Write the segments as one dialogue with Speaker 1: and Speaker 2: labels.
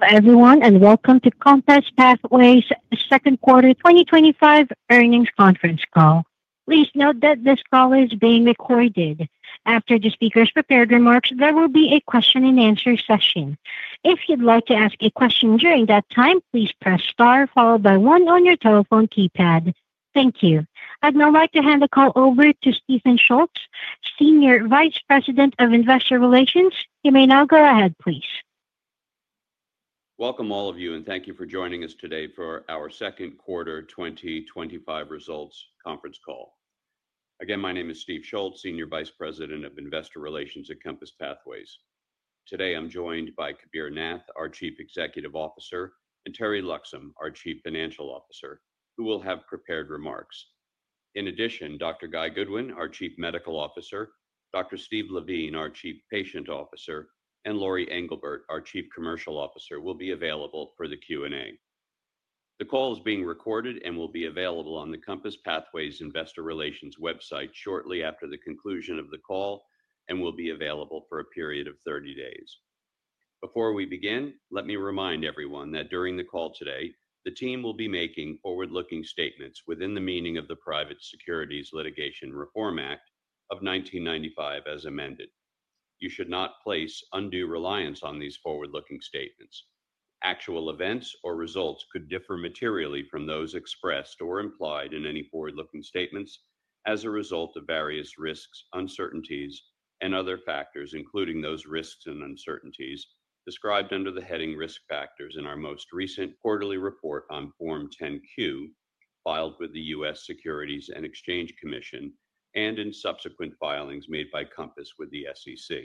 Speaker 1: Hello, everyone, and welcome to COMPASS Pathways Second Quarter 2025 Earnings Conference Call. Please note that this call is being recorded. After the speakers prepared remarks, there will be a question-and-answer session. If you'd like to ask a question during that time please press star followed by one on your telephone keypad. Thank you, I'd now like to hand the call over to Stephen Schultz, Senior Vice President of Investor Relations. You may now go ahead, please.
Speaker 2: Welcome all of you, and thank you for joining us today for our second quarter 2025 results conference call. Again, my name is Steve Schultz, Senior Vice President of Investor Relations at COMPASS Pathways. Today, I'm joined by Kabir Nath, our Chief Executive Officer, and Teri Loxam, our Chief Financial Officer, who will have prepared remarks. In addition, Dr. Guy Goodwin, our Chief Medical Officer, Dr. Steve Levine, our Chief Patient Officer, and Lori Englebert, our Chief Commercial Officer, will be available for the Q&A. The call is being recorded and will be available on the COMPASS Pathways Investor Relations website shortly after the conclusion of the call and will be available for a period of 30 days. Before we begin, let me remind everyone that during the call today, the team will be making forward-looking statements within the meaning of the Private Securities Litigation Reform Act of 1995 as amended. You should not place undue reliance on these forward-looking statements. Actual events or results could differ materially from those expressed or implied in any forward-looking statements as a result of various risks, uncertainties, and other factors, including those risks and uncertainties described under the heading Risk Factors in our most recent quarterly report on Form 10-Q filed with the U.S. Securities and Exchange Commission and in subsequent filings made by COMPASS with the SEC.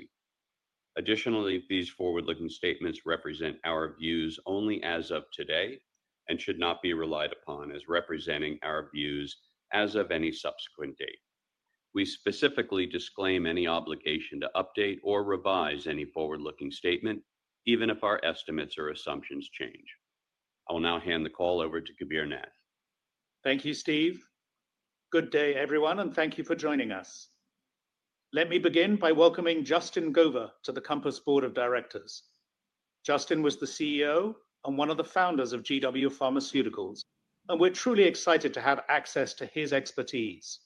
Speaker 2: Additionally, these forward-looking statements represent our views only as of today and should not be relied upon as representing our views as of any subsequent date. We specifically disclaim any obligation to update or revise any forward-looking statement, even if our estimates or assumptions change. I'll now hand the call over to Kabir Nath.
Speaker 3: Thank you, Steve. Good day, everyone, and thank you for joining us. Let me begin by welcoming Justin Gover to the COMPASS Pathways Board of Directors. Justin was the CEO and one of the founders of GW Pharmaceuticals, and we're truly excited to have access to his expertise.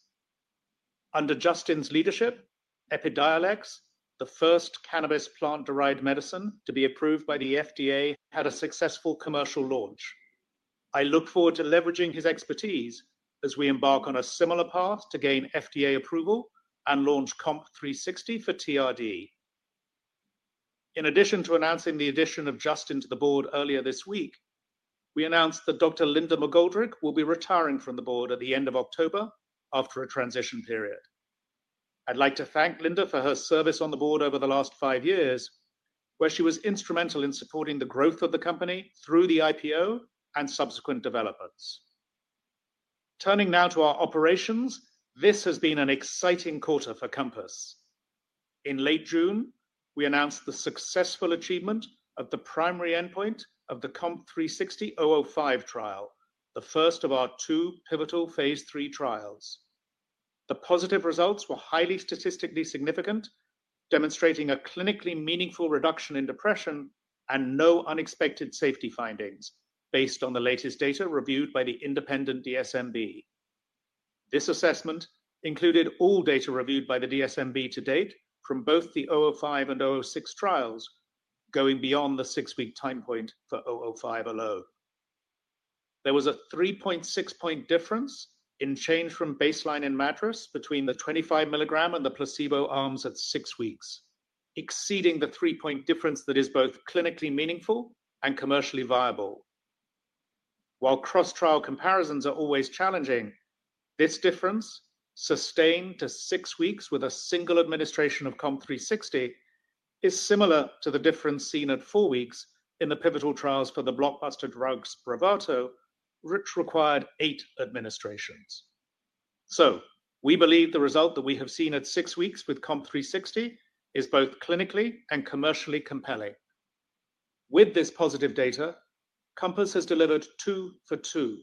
Speaker 3: Under Justin's leadership, Epidiolex, the first cannabis plant-derived medicine to be approved by the FDA, had a successful commercial launch. I look forward to leveraging his expertise as we embark on a similar path to gain FDA approval and launch COMP360 for TRD. In addition to announcing the addition of Justin to the board earlier this week, we announced that Dr. Linda McGoldrick will be retiring from the board at the end of October after a transition period. I'd like to thank Linda for her service on the board over the last five years, where she was instrumental in supporting the growth of the company through the IPO and subsequent developments. Turning now to our operations, this has been an exciting quarter for COMPASS Pathways. In late June, we announced the successful achievement of the primary endpoint of the COMP360,005 trial, the first of our two pivotal phase III trials. The positive results were highly statistically significant, demonstrating a clinically meaningful reduction in depression and no unexpected safety findings based on the latest data reviewed by the independent DSMB. This assessment included all data reviewed by the DSMB to date from both the 005 and 006 trials, going beyond the six-week time point for 005 alone. There was a 3.6-point difference in change from baseline in MADRS between the 25 mg and the placebo arms at six weeks, exceeding the 3-point difference that is both clinically meaningful and commercially viable. While cross-trial comparisons are always challenging, this difference, sustained to six weeks with a single administration of COMP360, is similar to the difference seen at four weeks in the pivotal trials for the blockbuster drug SPRAVATO, which required eight administrations. We believe the result that we have seen at six weeks with COMP360 is both clinically and commercially compelling. With this positive data, COMPASS Pathways has delivered two for two,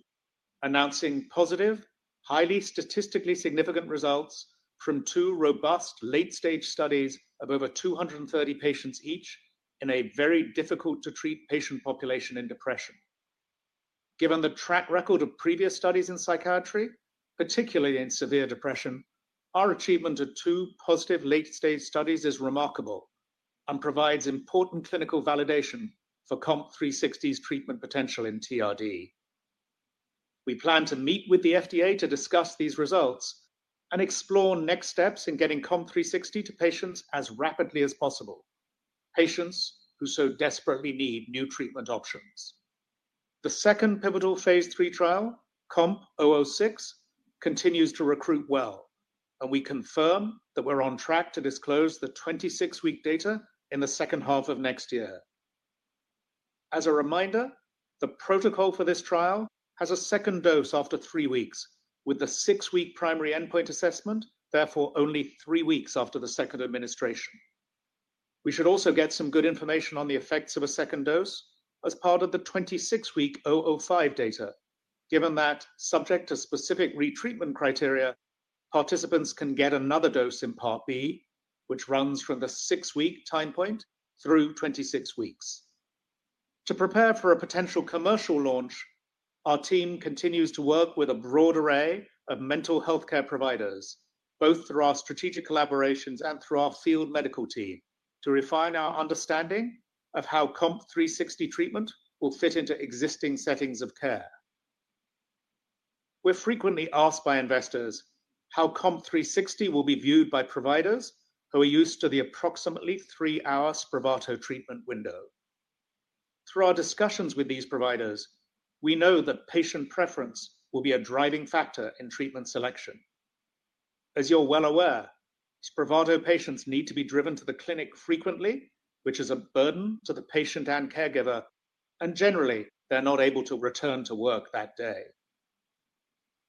Speaker 3: announcing positive, highly statistically significant results from two robust late-stage studies of over 230 patients each in a very difficult-to-treat patient population in depression. Given the track record of previous studies in psychiatry, particularly in severe depression, our achievement of two positive late-stage studies is remarkable and provides important clinical validation for COMP360's treatment potential in TRD. We plan to meet with the FDA to discuss these results and explore next steps in getting COMP360 to patients as rapidly as possible, patients who so desperately need new treatment options. The second pivotal phase III trial, COMP006, continues to recruit well, and we confirm that we're on track to disclose the 26-week data in the second half of next year. As a reminder, the protocol for this trial has a second dose after three weeks, with the six-week primary endpoint assessment therefore only three weeks after the second administration. We should also get some good information on the effects of a second dose as part of the 26-week 005 data, given that subject to specific retreatment criteria, participants can get another dose in Part B, which runs from the six-week time point through 26 weeks. To prepare for a potential commercial launch, our team continues to work with a broad array of mental healthcare providers, both through our strategic collaborations and through our field medical team, to refine our understanding of how COMP360 treatment will fit into existing settings of care. We're frequently asked by investors how COMP360 will be viewed by providers who are used to the approximately three-hour SPRAVATO treatment window. Through our discussions with these providers, we know that patient preference will be a driving factor in treatment selection. As you're well aware, SPRAVATO patients need to be driven to the clinic frequently, which is a burden to the patient and caregiver, and generally, they're not able to return to work that day.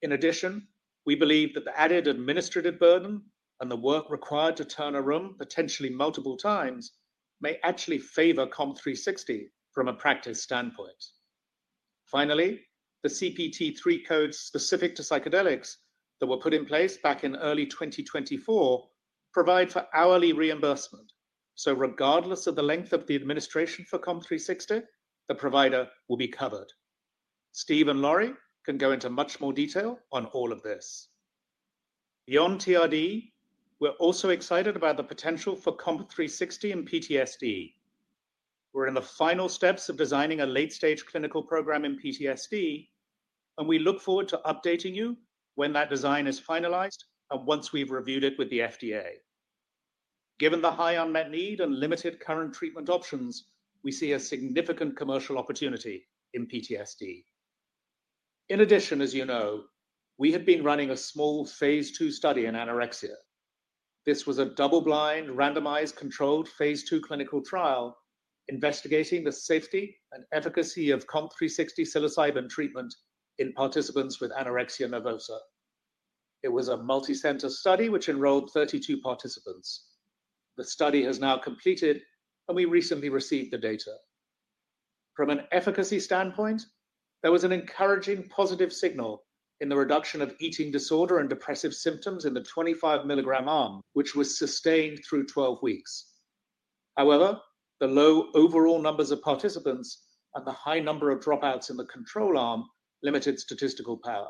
Speaker 3: In addition, we believe that the added administrative burden and the work required to turn a room potentially multiple times may actually favor COMP360 from a practice standpoint. Finally, the CPT-3 codes specific to psychedelics that were put in place back in early 2024 provide for hourly reimbursement, so regardless of the length of the administration for COMP360, the provider will be covered. Steve and Lori can go into much more detail on all of this. Beyond TRD, we're also excited about the potential for COMP360 in PTSD. We're in the final steps of designing a late-stage clinical program in PTSD, and we look forward to updating you when that design is finalized and once we've reviewed it with the FDA. Given the high unmet need and limited current treatment options, we see a significant commercial opportunity in PTSD. In addition, as you know, we had been running a small phase II study in anorexia. This was a double-blind, randomized, controlled phase II clinical trial investigating the safety and efficacy of COMP360 psilocybin treatment in participants with anorexia nervosa. It was a multicenter study which enrolled 32 participants. The study has now completed, and we recently received the data. From an efficacy standpoint, there was an encouraging positive signal in the reduction of eating disorder and depressive symptoms in the 25 mg arm, which was sustained through 12 weeks. However, the low overall numbers of participants and the high number of dropouts in the control arm limited statistical power.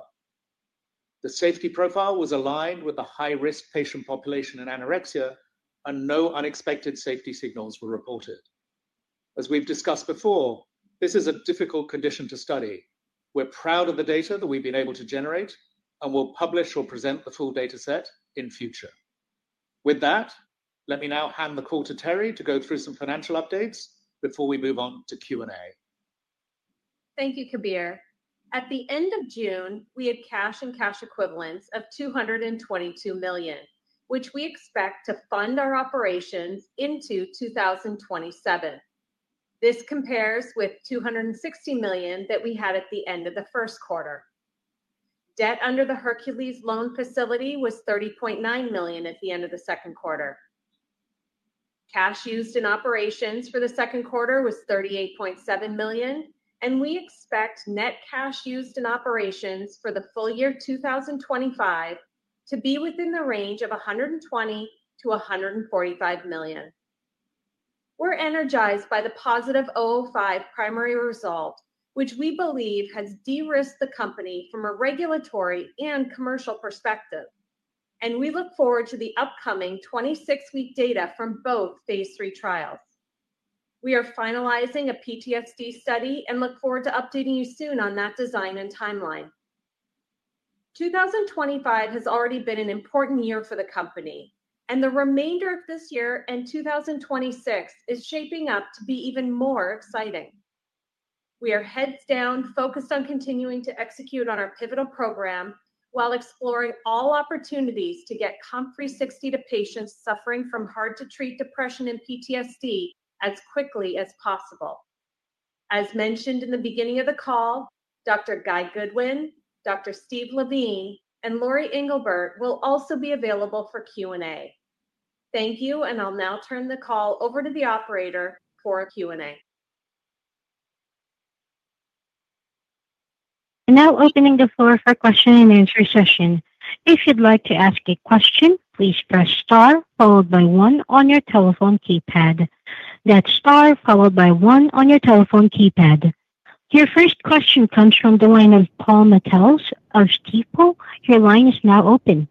Speaker 3: The safety profile was aligned with the high-risk patient population in anorexia, and no unexpected safety signals were reported. As we've discussed before, this is a difficult condition to study. We're proud of the data that we've been able to generate, and we'll publish or present the full data set in the future. With that, let me now hand the call to Teri to go through some financial updates before we move on to Q&A.
Speaker 4: Thank you, Kabir. At the end of June, we had cash and cash equivalents of $222 million, which we expect to fund our operations into 2027. This compares with $260 million that we had at the end of the first quarter. Debt under the Hercules loan facility was $30.9 million at the end of the second quarter. Cash used in operations for the second quarter was $38.7 million, and we expect net cash used in operations for the full year 2025 to be within the range of $120 million-$145 million. We're energized by the positive 005 primary result, which we believe has de-risked the company from a regulatory and commercial perspective, and we look forward to the upcoming 26-week data from both phase III trials. We are finalizing a PTSD study and look forward to updating you soon on that design and timeline. 2025 has already been an important year for the company, and the remainder of this year and 2026 is shaping up to be even more exciting. We are heads down, focused on continuing to execute on our pivotal program while exploring all opportunities to get COMP360 to patients suffering from hard-to-treat depression and PTSD as quickly as possible. As mentioned in the beginning of the call, Dr. Guy Goodwin, Dr. Steve Levine, and Lori Englebert will also be available for Q&A. Thank you, and I'll now turn the call over to the operator for a Q&A.
Speaker 1: Now opening the floor for question-and-answer session. If you'd like to ask a question, please press star followed by one on your telephone keypad. That's star followed by one on your telephone keypad. Your first question comes from the line of Paul Matteis of Stifel. Your line is now open.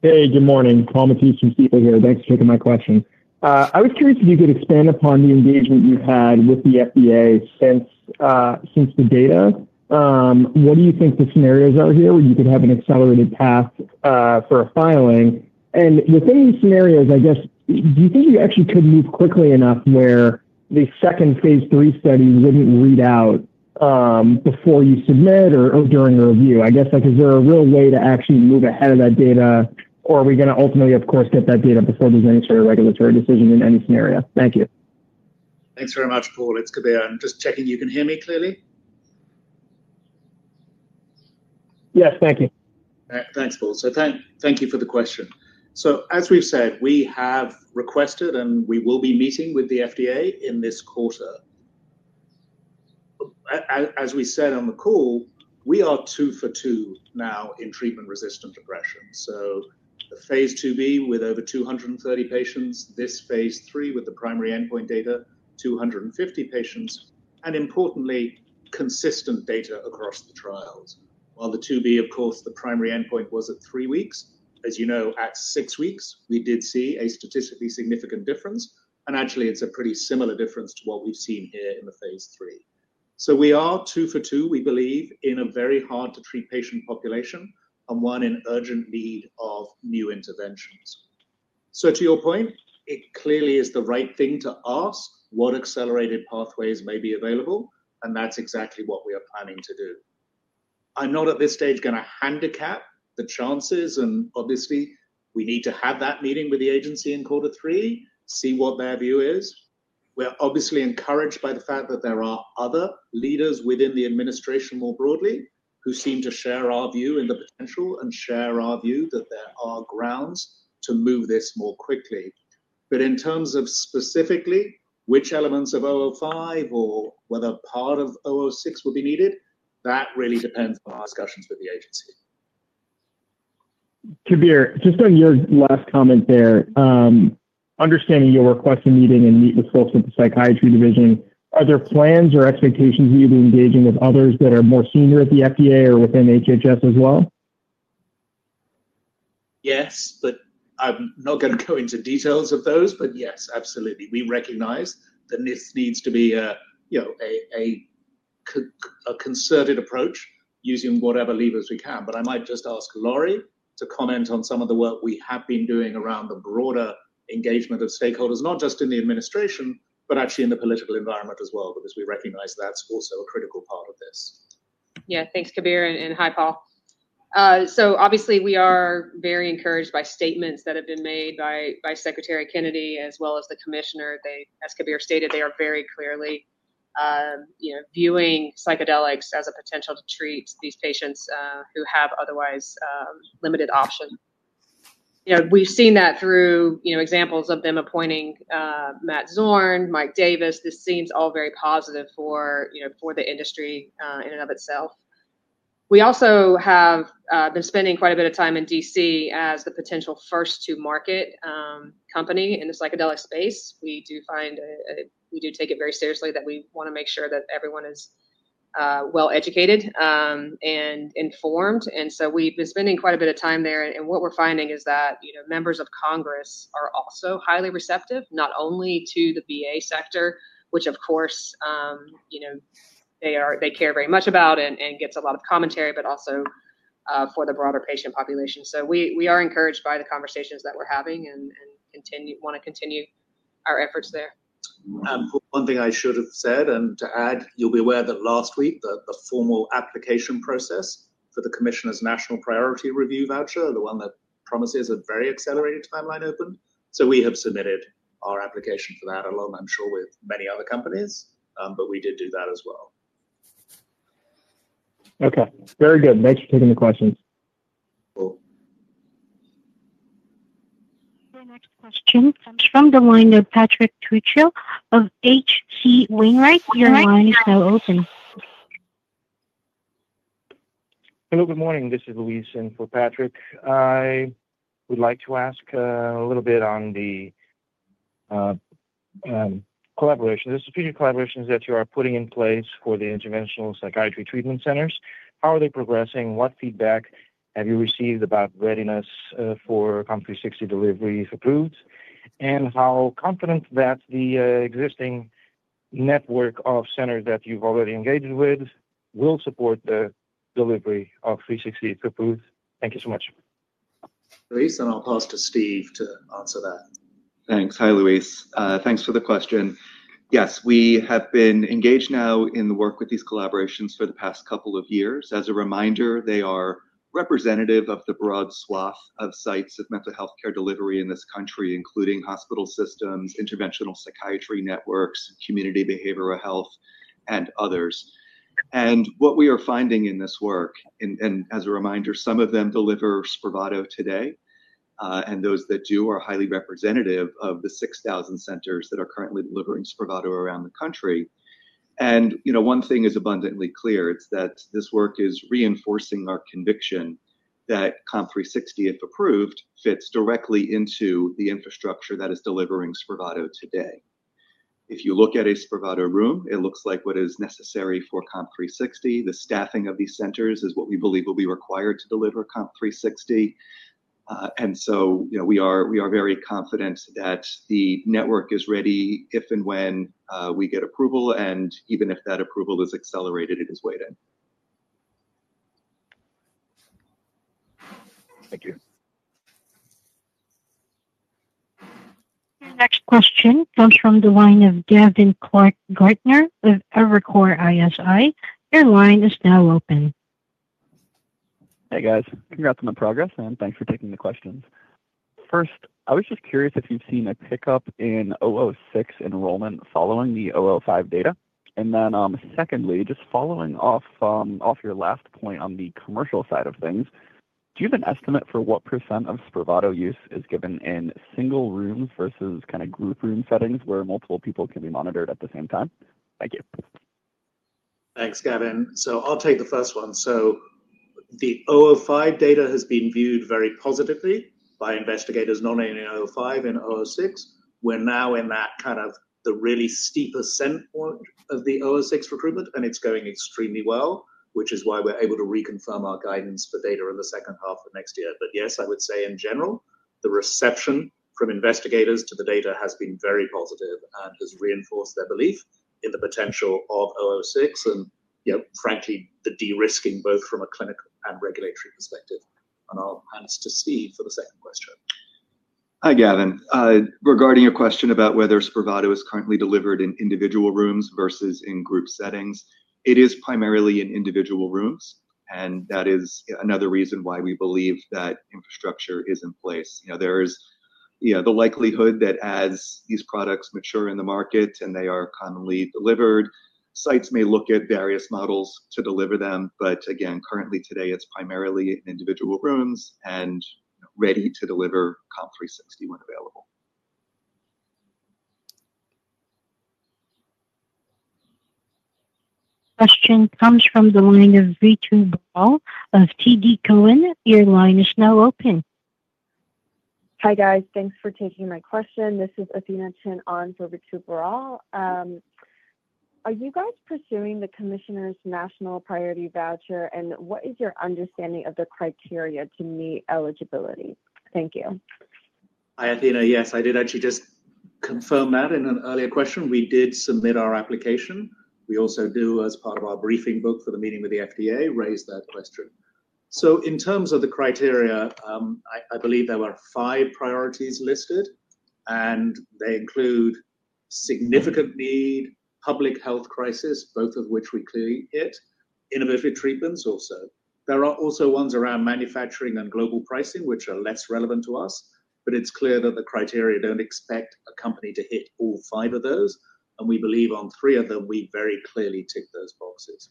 Speaker 5: Hey, good morning. Paul Matteis from Stifel here. Thanks for taking my question. I was curious if you could expand upon the engagement you've had with the FDA since the data. What do you think the scenarios are here where you could have an accelerated path for a filing? Within these scenarios, do you think you actually could move quickly enough where the second phase III study wouldn't read out before you submit or during the review? Is there a real way to actually move ahead of that data, or are we going to ultimately, of course, get that data before there's any sort of regulatory decision in any scenario? Thank you.
Speaker 3: Thanks very much, Paul. It's Kabir. I'm just checking you can hear me clearly. Yes, thank you. All right. Thanks, Paul. Thank you for the question. As we've said, we have requested and we will be meeting with the FDA in this quarter. As we said on the call, we are two for two now in treatment-resistant depression. phase II-B with over 230 patients, this phase III with the primary endpoint data, 250 patients, and importantly, consistent data across the trials. While the II-B, of course, the primary endpoint was at three weeks, as you know, at six weeks, we did see a statistically significant difference, and actually, it's a pretty similar difference to what we've seen here in the phase III. We are two for two, we believe, in a very hard-to-treat patient population and one in urgent need of new interventions. To your point, it clearly is the right thing to ask what accelerated pathways may be available, and that's exactly what we are planning to do. I'm not at this stage going to handicap the chances, and obviously, we need to have that meeting with the agency in quarter three, see what their view is. We're obviously encouraged by the fact that there are other leaders within the administration more broadly who seem to share our view in the potential and share our view that there are grounds to move this more quickly. In terms of specifically which elements of COMP005 or whether part of COMP006 will be needed, that really depends on our discussions with the agency.
Speaker 5: Kabir, just on your last comment there, understanding your request to meet and meet with folks at the Psychiatry Division, are there plans or expectations of you engaging with others that are more senior at the FDA or within HHS as well?
Speaker 3: Yes, but I'm not going to go into details of those. Yes, absolutely. We recognize that this needs to be a concerted approach using whatever levers we can. I might just ask Lori to comment on some of the work we have been doing around the broader engagement of stakeholders, not just in the administration, but actually in the political environment as well, because we recognize that's also a critical part of this.
Speaker 6: Yeah, thanks, Kabir, and hi, Paul. We are very encouraged by statements that have been made by Secretary Kennedy as well as the Commissioner. They, as Kabir stated, are very clearly viewing psychedelics as a potential to treat these patients who have otherwise limited options. We've seen that through examples of them appointing Matt Zorn, Mike Davis. This seems all very positive for the industry in and of itself. We also have been spending quite a bit of time in D.C. as the potential first-to-market company in the psychedelic space. We do take it very seriously that we want to make sure that everyone is well educated and informed. We've been spending quite a bit of time there. What we're finding is that members of Congress are also highly receptive, not only to the VA sector, which, of course, they care very much about and gets a lot of commentary, but also for the broader patient population. We are encouraged by the conversations that we're having and want to continue our efforts there.
Speaker 3: One thing I should have said, to add, you'll be aware that last week, the formal application process for the Commissioner's National Priority Review Voucher, the one that promises a very accelerated timeline, opened. We have submitted our application for that, along, I'm sure, with many other companies, but we did do that as well.
Speaker 5: Okay, very good. Thanks for taking the question.
Speaker 1: For our next question, from the line of Patrick Trucchio of H.C. Wainwright, your line is now open.
Speaker 7: Hello, good morning. This is Luis. For Patrick, I would like to ask a little bit on the collaboration, the strategic collaborations that you are putting in place for the interventional psychiatry treatment centers. How are they progressing? What feedback have you received about readiness for COMP360 delivery if approved? How confident that the existing network of centers that you've already engaged with will support the delivery of 360 if approved? Thank you so much.
Speaker 3: Luis, I'll pass to Steve to answer that.
Speaker 8: Thanks. Hi, Luis. Thanks for the question. Yes, we have been engaged now in the work with these collaborations for the past couple of years. As a reminder, they are representative of the broad swath of sites of mental healthcare delivery in this country, including hospital systems, interventional psychiatry networks, community behavioral health, and others. What we are finding in this work, and as a reminder, some of them deliver SPRAVATO today, and those that do are highly representative of the 6,000 centers that are currently delivering SPRAVATO around the country. One thing is abundantly clear. It's that this work is reinforcing our conviction that COMP360, if approved, fits directly into the infrastructure that is delivering SPRAVATO today. If you look at a SPRAVATO room, it looks like what is necessary for COMP360. The staffing of these centers is what we believe will be required to deliver COMP360. We are very confident that the network is ready if and when we get approval, and even if that approval is accelerated, it is waiting.
Speaker 7: Thank you.
Speaker 1: Your next question comes from the line of Gavin Clark-Gartner of Evercore ISI. Your line is now open.
Speaker 9: Hey, guys. Congrats on the progress, and thanks for taking the questions. First, I was just curious if you've seen a pickup in 006 enrollment following the 005 data. Secondly, just following off your last point on the commercial side of things, do you have an estimate for what percent of SPRAVATO use is given in single rooms versus group room settings where multiple people can be monitored at the same time? Thank you.
Speaker 3: Thanks, Gavin. I'll take the first one. The 005 data has been viewed very positively by investigators, not only in 005 and 006. We're now in that really steep percent of the 006 recruitment, and it's going extremely well, which is why we're able to reconfirm our guidance for data in the second half of next year. I would say in general, the reception from investigators to the data has been very positive and has reinforced their belief in the potential of 006 and, frankly, the de-risking both from a clinical and regulatory perspective. I'll hand this to Steve for the second question.
Speaker 8: Hi, Gavin. Regarding your question about whether SPRAVATO is currently delivered in individual rooms versus in group settings, it is primarily in individual rooms, and that is another reason why we believe that infrastructure is in place. There is the likelihood that as these products mature in the market and they are commonly delivered, sites may look at various models to deliver them. Again, currently today, it's primarily in individual rooms and ready to deliver COMP360 when available.
Speaker 1: Question comes from the line of Ritu Baral of TD Cowen. Your line is now open.
Speaker 10: Hi, guys. Thanks for taking my question. This is Athena Chin on for Ritu Baral. Are you guys pursuing the commissioner's national priority voucher, and what is your understanding of the criteria to meet eligibility? Thank you.
Speaker 3: Hi, Athena. Yes, I did actually just confirm that in an earlier question. We did submit our application. We also do, as part of our briefing book for the meeting with the FDA, raise that question. In terms of the criteria, I believe there were five priorities listed, and they include significant need, public health crisis, both of which we clearly hit, innovative treatments also. There are also ones around manufacturing and global pricing, which are less relevant to us, but it's clear that the criteria don't expect a company to hit all five of those, and we believe on three of them, we very clearly tick those boxes.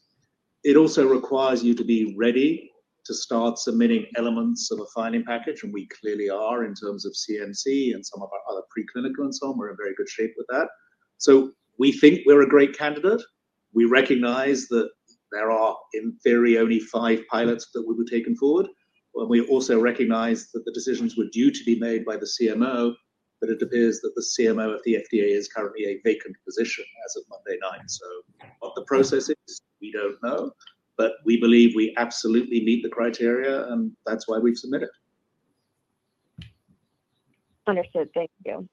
Speaker 3: It also requires you to be ready to start submitting elements of a filing package, and we clearly are in terms of CMC and some of our other preclinical and so on. We're in very good shape with that. We think we're a great candidate. We recognize that there are, in theory, only five pilots that were being taken forward, and we also recognize that the decisions were due to be made by the CMO, but it appears that the CMO at the FDA is currently a vacant position as of Monday night. What the process is, we don't know, but we believe we absolutely meet the criteria, and that's why we've submitted.
Speaker 10: Understood. Thank you.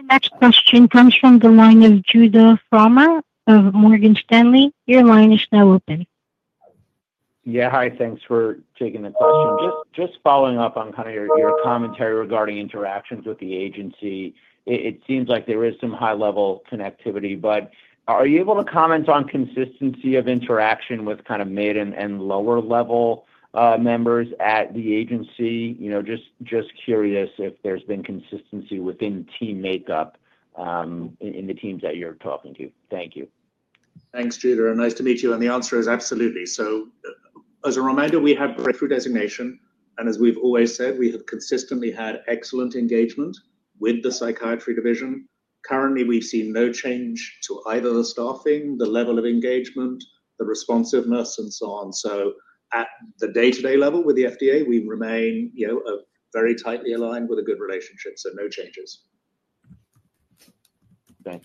Speaker 1: The next question comes from the line of Judah Frommer of Morgan Stanley. Your line is now open.
Speaker 11: Yeah, hi. Thanks for taking the question. Just following up on your commentary regarding interactions with the agency, it seems like there is some high-level connectivity, but are you able to comment on consistency of interaction with mid and lower-level members at the agency? I'm just curious if there's been consistency within team makeup in the teams that you're talking to. Thank you.
Speaker 3: Thanks, Judah. Nice to meet you, and the answer is absolutely. As a reminder, we have critical designation, and as we've always said, we have consistently had excellent engagement with the psychiatry division. Currently, we've seen no change to either the staffing, the level of engagement, the responsiveness, and so on. At the day-to-day level with the FDA, we remain very tightly aligned with a good relationship, so no changes.
Speaker 1: [This]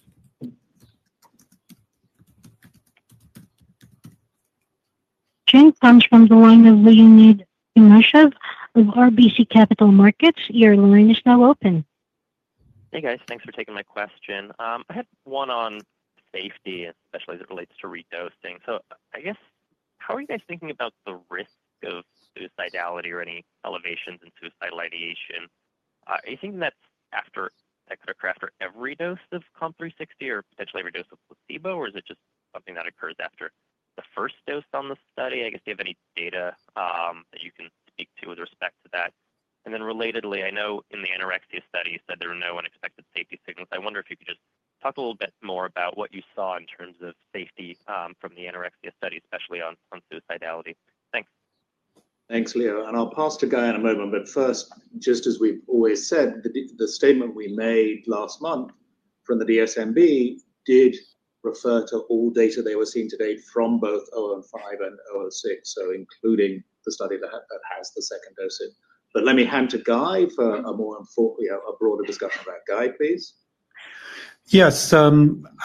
Speaker 1: comes from the line of Leonid Timashev of RBC Capital Markets. Your line is now open.
Speaker 12: Hey, guys. Thanks for taking my question. I had one on safety, especially as it relates to re-dosing. How are you guys thinking about the risk of suicidality or any elevations in suicidal ideation? Are you thinking that's after every dose of COMP360 or potentially every dose of placebo, or is it just something that occurs after the first dose on the study? Do you have any data that you can speak to with respect to that? Relatedly, I know in the anorexia study, you said there were no unexpected safety signals. I wonder if you could just talk a little bit more about what you saw in terms of safety from the anorexia study, especially on suicidality. Thanks.
Speaker 3: Thanks, Leo. I'll pass to Guy in a moment. Just as we always said, the statement we made last month from the DSMB did refer to all data they were seeing today from both 005 and 006, including the study that has the second doses. Let me hand to Guy for a more broader discussion about Guy, please.
Speaker 13: Yes, I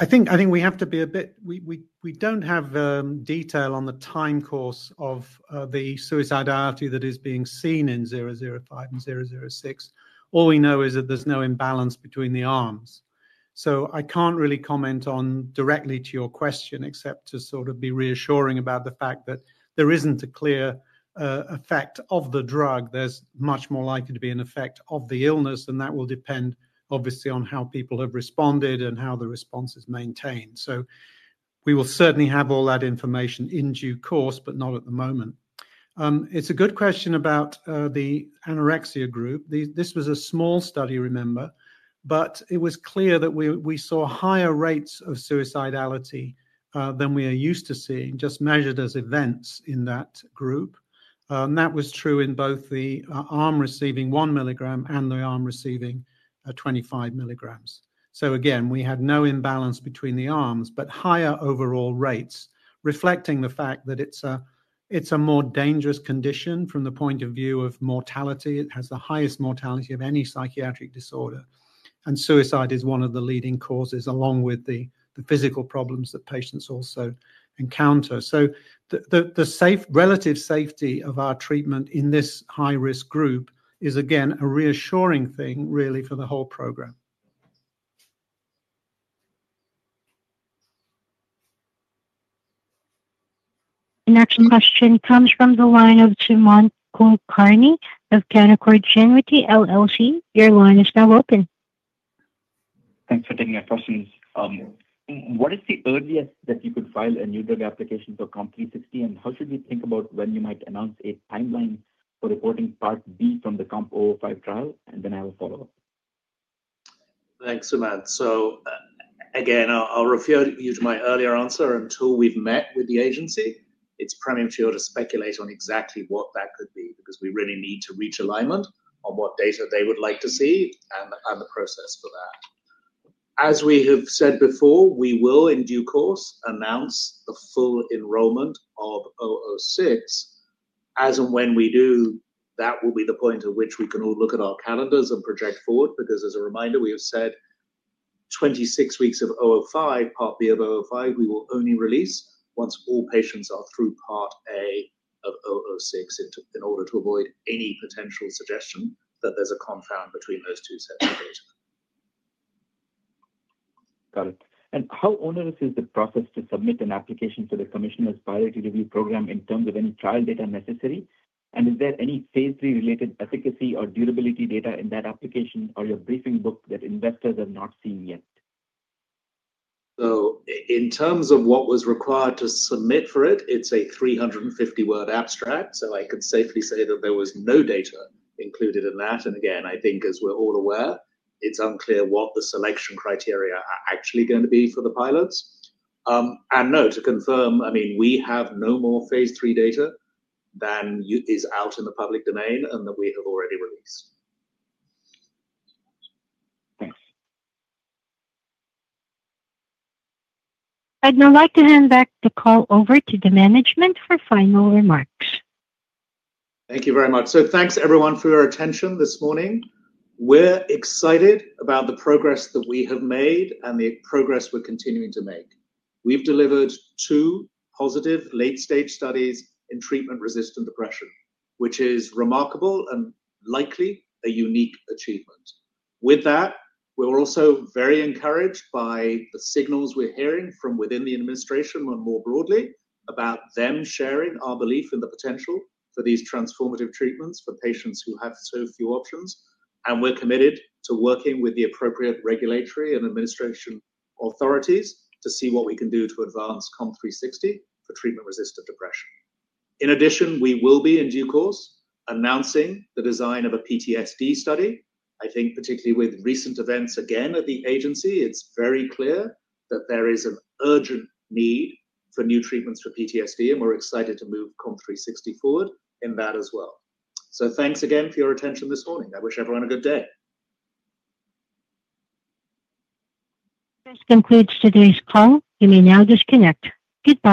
Speaker 13: think we have to be a bit, we don't have detail on the time course of the suicidality that is being seen in 005 and 006. All we know is that there's no imbalance between the arms. I can't really comment on directly to your question except to sort of be reassuring about the fact that there isn't a clear effect of the drug. It's much more likely to be an effect of the illness, and that will depend, obviously, on how people have responded and how the response is maintained. We will certainly have all that information in due course, but not at the moment. It's a good question about the anorexia group. This was a small study, remember, but it was clear that we saw higher rates of suicidality than we are used to seeing, just measured as events in that group. That was true in both the arm receiving 1 mg and the arm receiving 25 mgs. We had no imbalance between the arms, but higher overall rates, reflecting the fact that it's a more dangerous condition from the point of view of mortality. It has the highest mortality of any psychiatric disorder, and suicide is one of the leading causes, along with the physical problems that patients also encounter. The relative safety of our treatment in this high-risk group is, again, a reassuring thing, really, for the whole program.
Speaker 1: Next question comes from the line of Sumant Kulkarni of Canaccord Genuity LLC. Your line is now open.
Speaker 14: Thanks for taking my questions. What is the earliest that you could file a new drug application for COMP360, and how should we think about when you might announce a timeline for reporting Part B from the COMP005 trial? I have a follow-up.
Speaker 3: Thanks, Sumant. I'll refer you to my earlier answer. Until we've met with the agency, it's premature to speculate on exactly what that could be because we really need to reach alignment on what data they would like to see and the process for that. As we have said before, we will, in due course, announce the full enrollment of 006. As and when we do, that will be the point at which we can all look at our calendars and project forward because, as a reminder, we have said 26 weeks of 005, Part B of 005, we will only release once all patients are through Part A of 006 in order to avoid any potential suggestion that there's a confound between those two sets of data.
Speaker 14: Got it. How onerous is the process to submit an application for the Commissioner's Pilot Review Program in terms of any trial data necessary? Is there any phase III-related efficacy or durability data in that application or your briefing book that investors have not seen yet?
Speaker 3: In terms of what was required to submit for it, it's a 350-word abstract. I could safely say that there was no data included in that. I think, as we're all aware, it's unclear what the selection criteria are actually going to be for the pilots. To confirm, we have no more phase III data than is out in the public domain and that we have already released.
Speaker 1: I'd now like to hand the call back over to the management for final remarks.
Speaker 3: Thank you very much. Thanks, everyone, for your attention this morning. We're excited about the progress that we have made and the progress we're continuing to make. We've delivered two positive late-stage studies in treatment-resistant depression, which is remarkable and likely a unique achievement. With that, we're also very encouraged by the signals we're hearing from within the administration and more broadly about them sharing our belief in the potential for these transformative treatments for patients who have so few options. We're committed to working with the appropriate regulatory and administration authorities to see what we can do to advance COMP360 for treatment-resistant depression. In addition, we will be, in due course, announcing the design of a PTSD study. I think, particularly with recent events again at the agency, it's very clear that there is an urgent need for new treatments for PTSD, and we're excited to move COMP360 forward in that as well. Thanks again for your attention this morning. I wish everyone a good day.
Speaker 1: This concludes today's call. You may now disconnect. Goodbye.